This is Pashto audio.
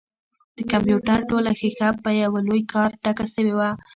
د کمپيوټر ټوله ښيښه په يوه لوى کارت ډکه سوې وه.